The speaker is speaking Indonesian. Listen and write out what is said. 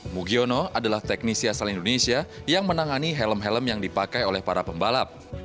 mugiono adalah teknisi asal indonesia yang menangani helm helm yang dipakai oleh para pembalap